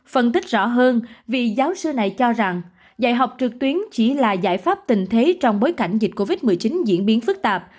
phân tích rõ hơn vì giáo sư này cho rằng dạy học trực tuyến chỉ là giải pháp tình thế trong bối cảnh dịch covid một mươi chín diễn biến phức tạp